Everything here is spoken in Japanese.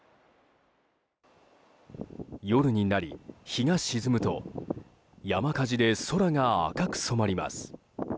夜になり、日が沈むと山火事で空が赤く染まります。